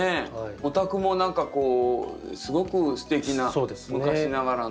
お宅も何かこうすごくすてきな昔ながらの。